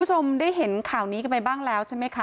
คุณผู้ชมได้เห็นข่าวนี้กันไปบ้างแล้วใช่ไหมคะ